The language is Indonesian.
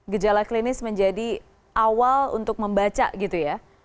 gejala klinis menjadi awal untuk membaca gitu ya